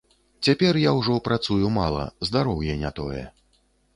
Цяпер я ўжо працую мала, здароўе не тое.